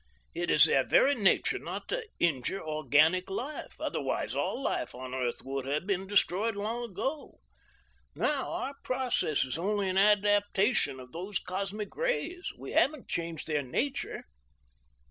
It is their very nature not to injure organic life, otherwise all life on Earth would have been destroyed long ago. Now, our process is only an adaptation of these cosmic rays. We haven't changed their nature."